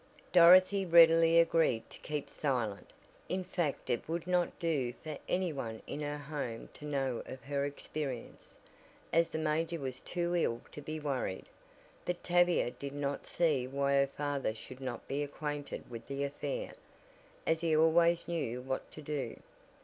Dorothy readily agreed to keep silent, in fact it would not do for any one in her home to know of her experience, as the major was too ill to be worried, but Tavia did not see why her father should not be acquainted with the affair, as he always knew what to do.